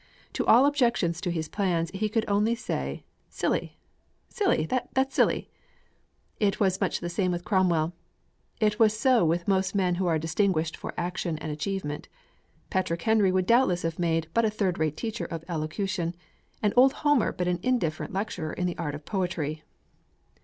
To all objections to his plans, he could only say, "Silly, silly, that's silly." It was much the same with Cromwell. It is so with most men who are distinguished for action and achievement. Patrick Henry would doubtless have made but a third rate teacher of elocution, and old Homer but an indifferent lecturer on the art of poetry.